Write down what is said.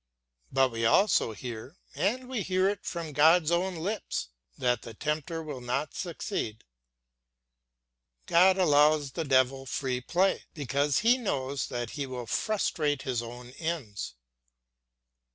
But we also hear, and we hear it from God's own lips, that the tempter will not succeed. God allows the devil free play, because he knows that he will frustrate his own ends.